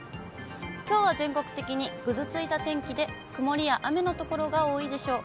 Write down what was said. きょうは全国的にぐずついた天気で、曇りや雨の所が多いでしょう。